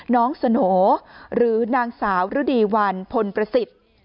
น้องสโหน่หรือนางสาวรุดีวันพลประสิทธิ์